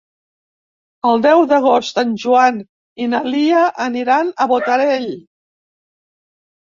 El deu d'agost en Joan i na Lia aniran a Botarell.